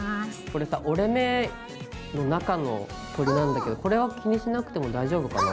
これさ折れ目の中の鳥なんだけどこれは気にしなくても大丈夫かな？